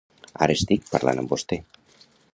Ara estic parlant amb vosté.